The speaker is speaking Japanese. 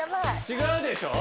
違うでしょ。